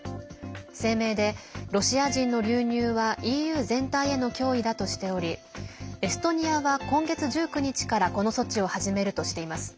声明でロシア人の流入はＥＵ全体への脅威だとしておりエストニアは今月１９日からこの措置を始めるとしています。